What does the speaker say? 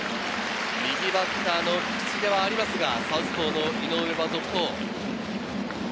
右バッターの菊池ではありますが、サウスポーの井上が続投。